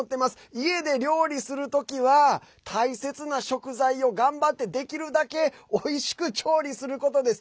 家で料理する時は大切な食材を頑張ってできるだけおいしく調理することです。